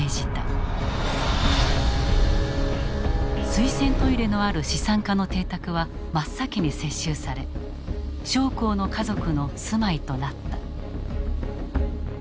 水洗トイレのある資産家の邸宅は真っ先に接収され将校の家族の住まいとなった。